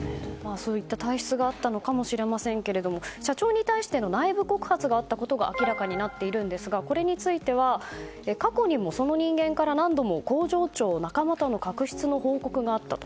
そういった体質があったのかもしれませんけども社長に対しての内部告発があったことが明らかになっているんですがこれについては過去にも、その人間から何度も工場長、仲間との確執の報告があったと。